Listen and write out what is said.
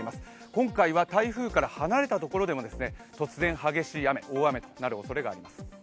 今回は台風から離れたところでも突然激しい大雨となるおそれがあります。